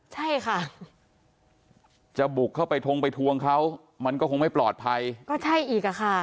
ใช่ค่ะจะบุกเข้าไปทงไปทวงเขามันก็คงไม่ปลอดภัยก็ใช่อีกอ่ะค่ะ